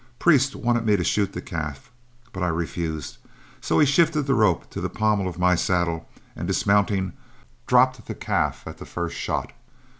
Priest wanted me to shoot the calf, but I refused, so he shifted the rope to the pommel of my saddle, and, dismounting, dropped the calf at the first shot.